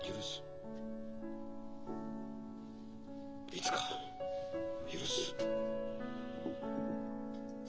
いつか許す。